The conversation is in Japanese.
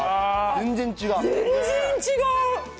全然違う。